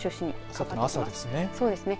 朝ですね。